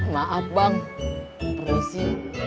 maaf bang permisi